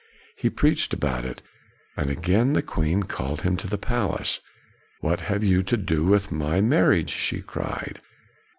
He preached about it, and again the queen called him to the palace. " What have you to do with my mar riage? ' she cried.